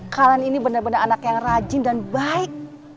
kalian ini benar benar anak yang rajin dan baik